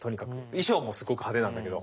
衣装もすごく派手なんだけど。